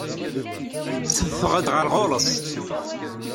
Teffeɣ-d ɣer ɣur-s.